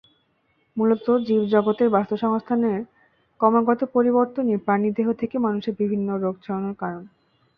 মূলত জীবজগতের বাস্তুসংস্থানের ক্রমাগত পরিবর্তনই প্রাণিদেহ থেকে মানুষে বিভিন্ন রোগ ছড়ানোর কারণ।